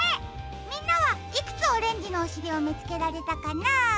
みんなはいくつオレンジのおしりをみつけられたかな？